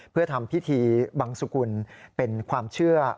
เพื่อทำพิธีบังสุกุลเป็นความเชื่อ